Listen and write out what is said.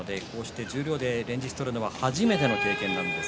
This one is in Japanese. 十両で連日相撲を取るのは初めての経験です。